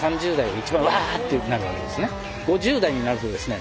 ５０代になるとですね